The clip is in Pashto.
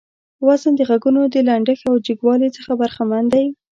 وزن د غږونو د لنډښت او جګوالي څخه برخمن دى.